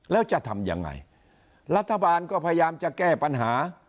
แล้วจะทำยังไงรัฐบาลก็พยายามจะแก้ปัญหา